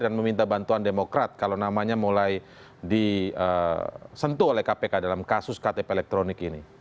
dan meminta bantuan demokrat kalau namanya mulai disentuh oleh kpk dalam kasus ktp elektronik ini